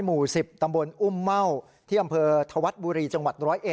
หมู่๑๐ตำบลอุ้มเม่าที่อำเภอธวัฒน์บุรีจังหวัด๑๐๑